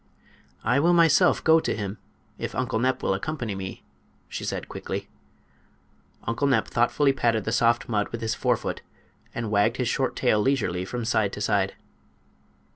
"I will myself go to him, if Uncle Nep will accompany me," she said, quickly. Uncle Nep thoughtfully patted the soft mud with his fore foot and wagged his short tail leisurely from side to side.